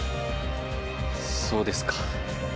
そうですか。